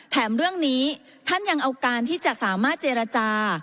เรื่องนี้ท่านยังเอาการที่จะสามารถเจรจา